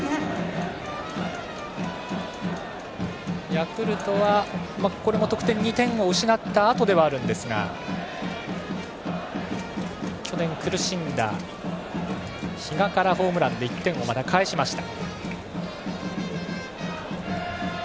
ヤクルトは得点２点を失ったあとではあるんですが去年、苦しんだ比嘉からホームランで１点をまた返しました。